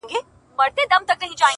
ټولو وویل چي ته الوتای نه سې!